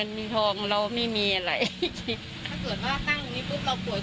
เกิดว่าจะต้องมาตั้งโรงพยาบาลสนามตรงนี้